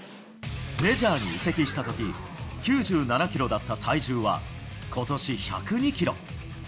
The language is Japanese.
メジャーに移籍したとき、９７キロだった体重は、ことし１０２キロ。